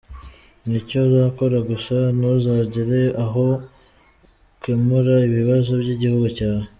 Ni icyo uzakora gusa ntuzagera aho ukemura ibibazo by’igihugu cyawe.